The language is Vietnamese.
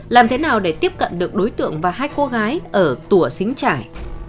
làm thế nào để tiếp cận được đối tượng và hai cô gái ở tùa xính trải